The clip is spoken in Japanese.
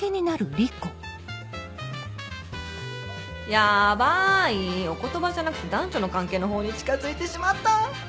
ヤバいお言葉じゃなくて男女の関係のほうに近づいてしまった！